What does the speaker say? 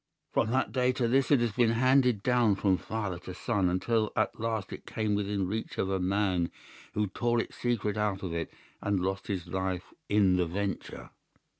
From that day to this it has been handed down from father to son, until at last it came within reach of a man who tore its secret out of it and lost his life in the venture.